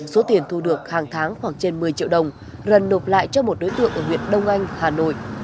số tiền thu được hàng tháng khoảng trên một mươi triệu đồng luân nộp lại cho một đối tượng ở huyện đông anh hà nội